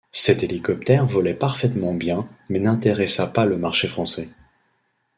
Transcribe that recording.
Cet hélicoptère volait parfaitement bien mais n’intéressa pas le marché français.